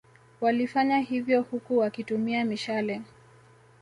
Wlifanya hivyo huku wakitumia mishale